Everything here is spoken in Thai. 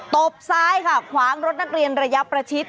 ตบซ้ายค่ะขวางรถนักเรียนระยะประชิด